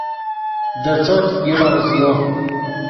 دے ݯوت یوڑا اوزیو